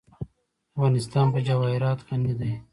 افغانستان په جواهرات غني دی.